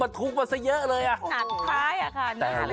ร้องเป็นเพลงเลยไหม